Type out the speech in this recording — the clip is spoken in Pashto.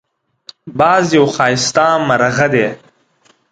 باز یو ښایسته مرغه دی